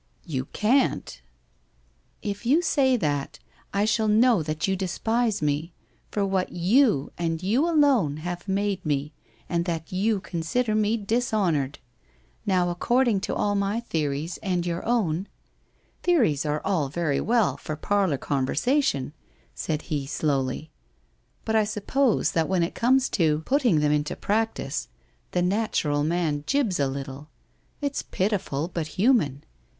''' You can't.' ' If you say that, I shall know that you despise me — for what you, and you alone, have made me, and that you consider me dishonoured. Now, according to all my the ories and your own '' Theories are all very well for parlour conversation,*' said he slowly. ' But I suppose that when it comes to 314 WHITE ROSE OF WEARY LEAF putting them into practice, the natural man jibs a little. It's pitiful, but human.